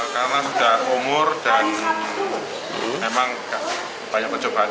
karena sudah umur dan memang banyak pencobaan